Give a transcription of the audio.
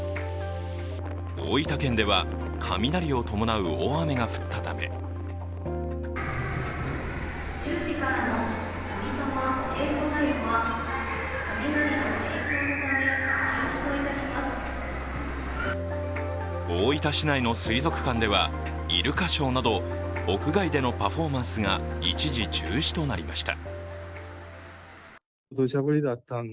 大分県では、雷を伴う大雨が降ったため大分市内の水族館ではイルカショーなど屋外でのパフォーマンスが一時中止となりました。